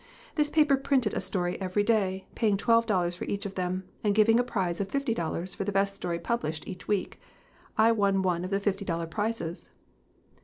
This paper printed a story every day, paying twelve dollars for each of them, and giving a prize of fifty dollars for the best story published each week. I won one of the fifty dollar prizes."